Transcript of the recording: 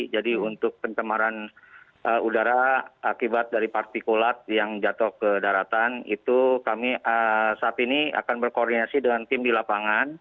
jadi untuk pencemaran udara akibat dari partikulat yang jatuh ke daratan itu kami saat ini akan berkoordinasi dengan tim di lapangan